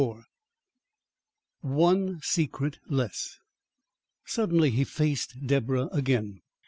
XXIV ONE SECRET LESS Suddenly he faced Deborah again.